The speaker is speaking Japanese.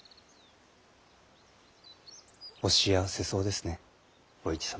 お幸せそうですねお市様。